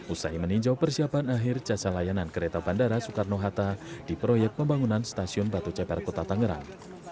usai meninjau persiapan akhir jasa layanan kereta bandara soekarno hatta di proyek pembangunan stasiun batu ceper kota tangerang